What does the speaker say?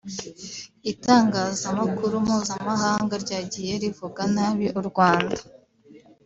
Itangazamakuru mpuzamahanga ryagiye rivuga nabi u Rwanda